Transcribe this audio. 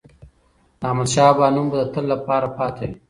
د احمدشاه بابا نوم به د تل لپاره پاتې وي.